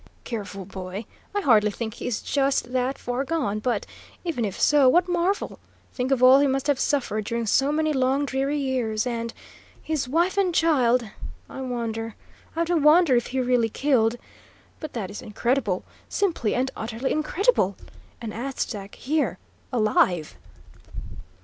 "Careful, boy! I hardly think he is just that far gone; but, even if so, what marvel? Think of all he must have suffered during so many long, dreary years! and his wife and child! I wonder I do wonder if he really killed but that is incredible, simply and utterly incredible! An Aztec here alive!"